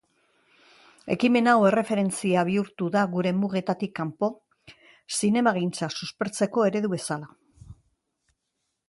Ekimen hau erreferentzia bihurtu da gure mugetatik kanpo zienmagintza suspertzeko eredu bezala.